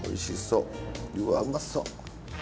うわうまそう。